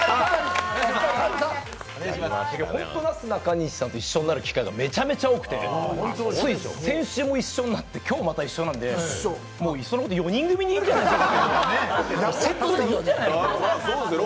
本当、なすなかにしさんと一緒になる機会がめちゃめちゃ多くてつい先週も一緒になって今日、また一緒なので、いっそのこと４人組でいいんじゃないかと。